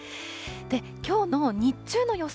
きょうの日中の予想